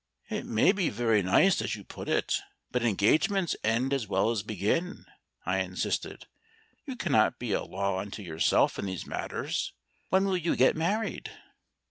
"It may be very nice as you put it, but engagements end as well as begin," I insisted. "You cannot be a law unto yourself in these matters. When will you get married?"